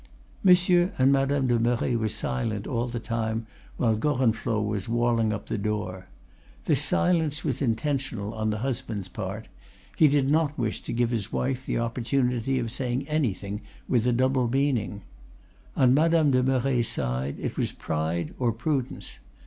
"Monsieur and Madame de Merret were silent all the time while Gorenflot was walling up the door. This silence was intentional on the husband's part; he did not wish to give his wife the opportunity of saying anything with a double meaning. On Madame de Merret's side it was pride or prudence.